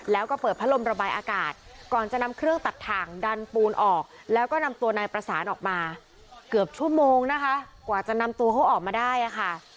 แล้วก็เปิดพัดลมระบายอากาศก่อนจะนำเครื่องตัดถ่างดันปูนออกแล้วก็นำตัวนายประสานออกมาเกือบชั่วโมงนะคะกว่าจะนำตัวเขาออกมาได้ค่ะ